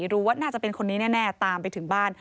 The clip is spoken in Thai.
รู้ว่าน่าจะเป็นคนนี้แน่ตามไปถึงบ้าน